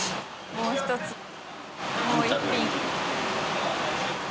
もう１つもう１品。